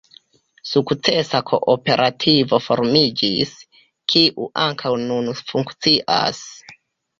Sukcesa kooperativo formiĝis, kiu ankaŭ nun funkcias.